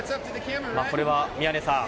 これは宮根さん